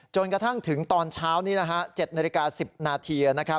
จนกระทั่งถึงตอนเช้านี้๗นาฬิกา๑๐นาที